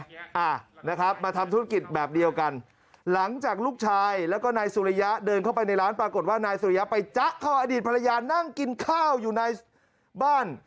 อ่านะครับมาทำธุรกิจแบบเดียวกันหลังจากลูกชายแล้วก็นายสุริยะเดินเข้าไปในร้านปรากฏว่านายสุริยะไปจ๊ะเข้าอดีตภรรยานั่งกินข้าวอยู่ในบ้าน